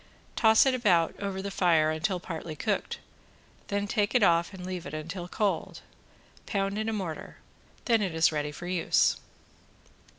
Toss it about over the fire until partly cooked. Then take it off and leave it until cold. Pound in a mortar, then it is ready to use.